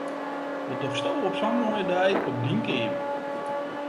Wat dochsto op sa'n moaie dei op dyn keamer?